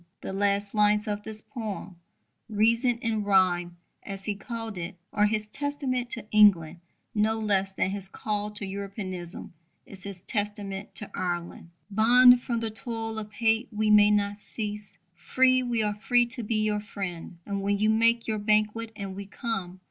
The last lines of this poem Reason in Rhyme, as he called it are his testament to England no less than his call to Europeanism is his testament to Ireland: Bond, from the toil of hate we may not cease: Free, we are free to be your friend. And when you make your banquet, and we come.